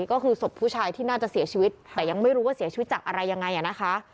ก็คือศพผู้ชายที่น่าจะเสียชีวิตแต่ยังไม่รู้ว่าเสียชีวิตจากอะไรยังไงนะคะ